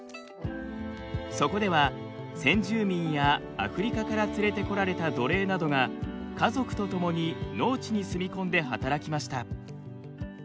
そこでは先住民やアフリカから連れてこられた奴隷などが家族と共に農地に住み込んで働きました。